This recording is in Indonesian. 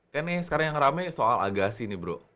kayaknya sekarang yang rame soal agassi nih bro